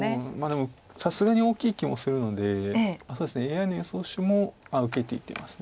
でもさすがに大きい気もするのでＡＩの予想手も受けていってます。